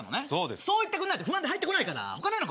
そう言ってくれないと不安で入ってこないから。